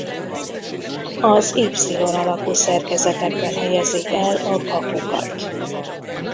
Az Y alakú szerkezetekben helyezik el a kapukat.